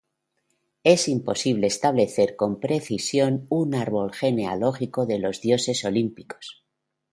Es imposible establecer con precisión un árbol genealógico de los dioses olímpicos.